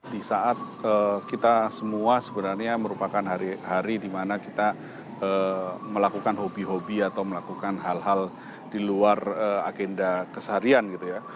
di saat kita semua sebenarnya merupakan hari di mana kita melakukan hobi hobi atau melakukan hal hal di luar agenda keseharian gitu ya